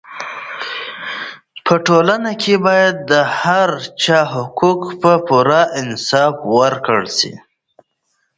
په ټولنه کې باید د هر چا حقونه په پوره انصاف ورکړل سي.